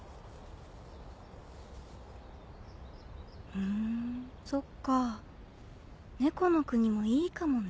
ふんそっかぁ猫の国もいいかもね。